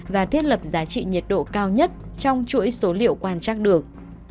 và thiết lập giá trị nhiệt độ cao nhất trong chuỗi số liệu quan trắc được